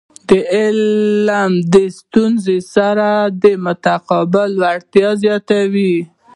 علم د ستونزو سره د مقابلي وړتیا زیاتوي.